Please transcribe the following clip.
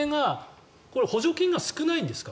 補助金が少ないんですか？